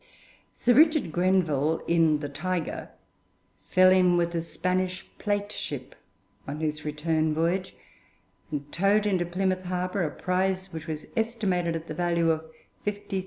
Sir Richard Grenville, in the 'Tiger,' fell in with a Spanish plate ship on his return voyage, and towed into Plymouth Harbour a prize which was estimated at the value of 50,000_l.